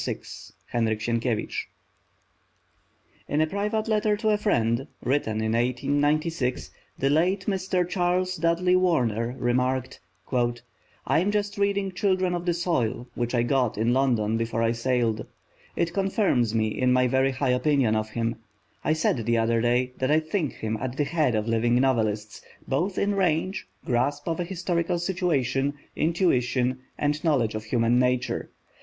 VI HENRYK SIENKIEWICZ In a private letter to a friend, written in 1896, the late Mr. Charles Dudley Warner remarked: "I am just reading Children of the Soil, which I got in London before I sailed. It confirms me in my very high opinion of him. I said the other day that I think him at the head of living novelists, both in range, grasp of a historical situation, intuition and knowledge of human nature.